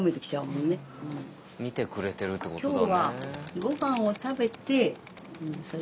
見てくれてるってことだね。